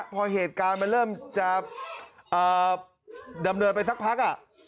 พอเหตุการณ์มันเริ่มจะดำเนินไปสักพัก